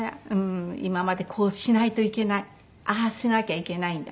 今までこうしないといけないああしなきゃいけないんだ。